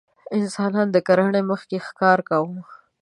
انسانانو د کرنې مخکې ښکار کاوه.